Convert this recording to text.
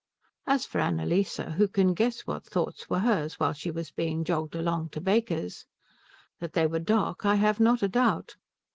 As for Annalise, who can guess what thoughts were hers while she was being jogged along to Baker's? That they were dark I have not a doubt.